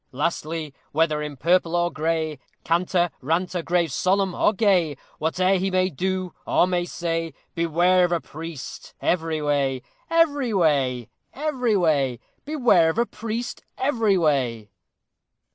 Lastly, whether in purple or gray, Canter, ranter, grave, solemn, or gay, Whate'er he may do or may say, Beware of a priest every way! Every way! every way! Beware of a priest every way!